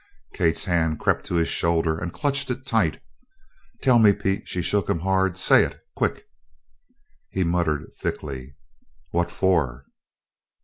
Kate's hand crept to his shoulder and clutched it tight. "Tell me, Pete!" She shook him hard. "Say it quick!" He muttered thickly: "What for?"